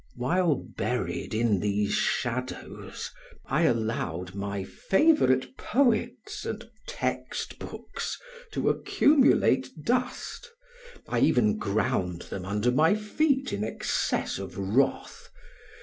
While buried in these shadows I allowed my favorite poets and text books to accumulate dust. I even ground them under my feet in excess of wrath.